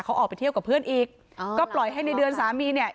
เขาออกไปเที่ยวกับเพื่อนอีกก็ปล่อยให้ในเดือนสามีเนี่ย